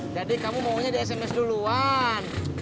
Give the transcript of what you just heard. jadi kamu maunya di sms duluan